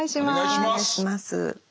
お願いします。